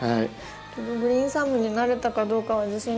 でもグリーンサムになれたかどうかは自信がないんですけど。